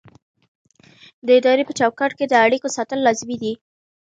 د ادارې په چوکاټ کې د اړیکو ساتل لازمي دي.